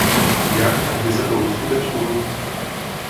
Jak a kdy se to uskuteční?